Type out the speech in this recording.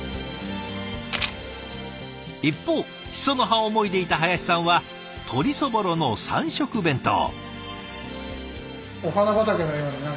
一方シソの葉をもいでいた林さんは鶏そぼろの三色弁当。